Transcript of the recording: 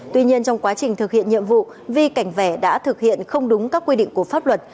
tuy nhiên trong quá trình thực hiện nhiệm vụ vi cảnh vẻ đã thực hiện không đúng các quy định của pháp luật